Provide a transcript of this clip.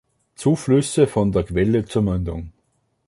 Zuflüsse von der Quelle zur Mündung.